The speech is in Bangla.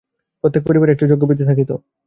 প্রত্যেক পরিবারে একটি যজ্ঞবেদী থাকিত।